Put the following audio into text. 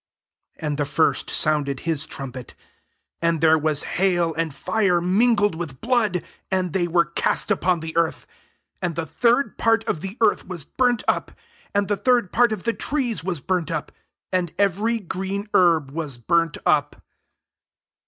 7 And the first sounded his trumpet, and there was hail and fire mingled with blood, and they were cast upon the earth : and the third part of the earth was burnt up, and the third part of the trees was burnt up, and every green herb was burnt up.